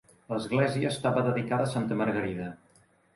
L'església estava dedicada a Santa Margarida.